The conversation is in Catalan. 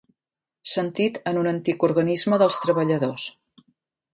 Sentit en un antic organisme dels treballadors.